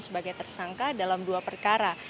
sebagai tersangka dalam dua perkara